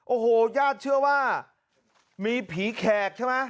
โอ้โหญาติเชื่อว่ามีผีแขกใช่ไหม